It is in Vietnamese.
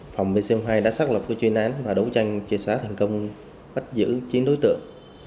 phòng bcm hai đã xác lập một chuyên án và đấu tranh chìa xóa thành công bắt giữ chín đối tượng